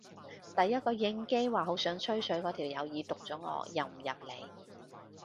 第一個應機話好想吹水嗰條友已讀咗我又唔入嚟